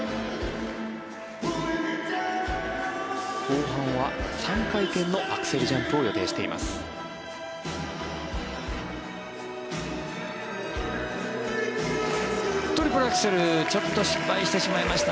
後半は３回転のアクセルジャンプを予定しています。